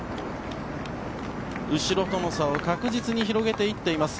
後ろのとの差を確実に広げていっています。